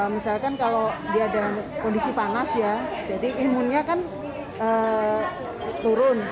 misalkan kalau dia dalam kondisi panas ya jadi imunnya kan turun